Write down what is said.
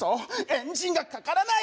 エンジンがかからない！